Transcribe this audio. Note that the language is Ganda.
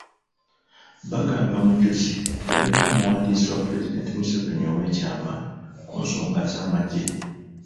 Bagamba Mujuzi yaliko omuwandiisi wa Pulezidenti Museveni oweekyama ku nsonga z’amagye.